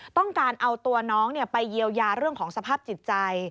ต้องการเอาตัวน้องไปเยียวยาเรื่องของสภาพจิตใจ